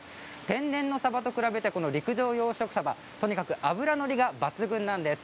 天然のサバと比べてこの陸上養殖サバとにかく脂乗り抜群なんです。